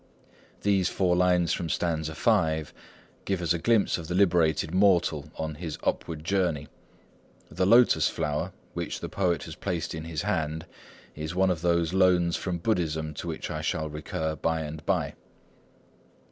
These four lines from stanza v give us a glimpse of the liberated mortal on his upward journey. The lotus flower, which the poet has placed in his hand, is one of those loans from Buddhism to which I shall recur by and by.